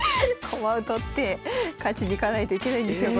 駒を取って勝ちに行かないといけないんですよ